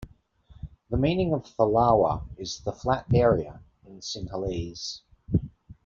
The meaning of "Thalawa" is the flat area in Sinhalese.